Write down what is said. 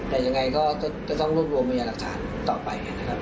แต่ยังไงก็ต้องรวมรวมมันอย่างหลักฐานต่อไป